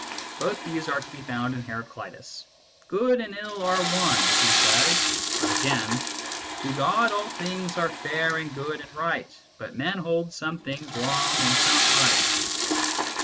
Both views are to be found in Heraclitus :" Good and ill are one," he says, but again, " To God all things are fair and good and right, but men hold some things wrong and some right."